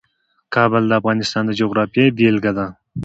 کابل د افغانستان د جغرافیې بېلګه ده.